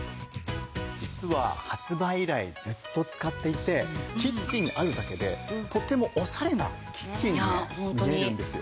実は発売以来ずっと使っていてキッチンにあるだけでとてもオシャレなキッチンにね見えるんですよ。